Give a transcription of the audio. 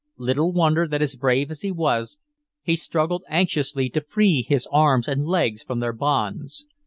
Little wonder that brave as he was, he struggled anxiously to free his arms and legs from their bonds.